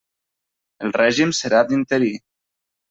El règim serà d'interí.